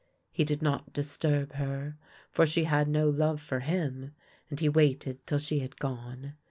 He did not disturb her, for she had no love for him, and he waited till she had gone.